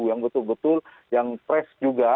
yang betul betul yang fresh juga